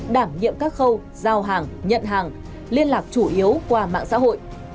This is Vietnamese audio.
đảm nhiệm các khâu giao hàng nhận hàng liên lạc chủ yếu qua mạng xã hội